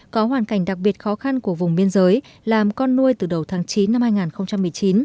có hoàn cảnh đặc biệt khó khăn của vùng biên giới làm con nuôi từ đầu tháng chín năm hai nghìn một mươi chín